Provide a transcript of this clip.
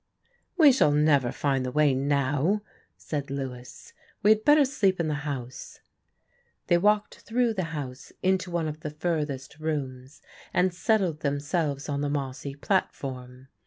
"We shall never find the way now," said Lewis. "We had better sleep in the house." They walked through the house into one of the furthest rooms and settled themselves on the mossy platform.